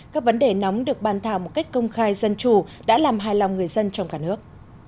các vấn đề nóng được bàn thảo một cách công khai dân chủ đã làm hài lòng người dân trong cả nước